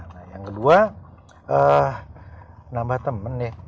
nah yang kedua nambah temen nih